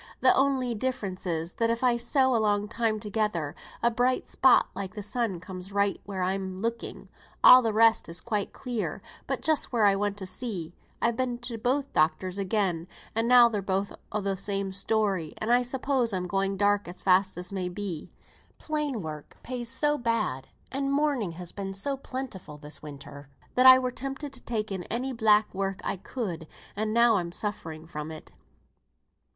Th' only difference is, that if I sew a long time together, a bright spot like th' sun comes right where I'm looking; all the rest is quite clear but just where I want to see. I've been to both doctors again, and now they're both o' the same story; and I suppose I'm going dark as fast as may be. Plain work pays so bad, and mourning has been so plentiful this winter, I were tempted to take in any black work I could; and now I'm suffering from it."